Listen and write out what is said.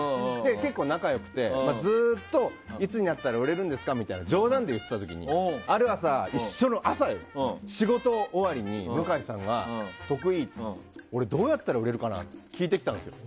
結構仲良くてずっと、いつになったら売れるんですかみたいな冗談で言ってた時に、ある朝仕事終わりに向さんが徳井、俺どうやったら売れるかなって聞いてきたんですよ。